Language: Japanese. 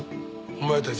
お前たち